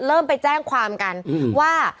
เริ่มไปแจ้งความกันว่า